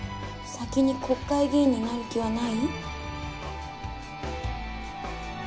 先に国会議員になる気はない？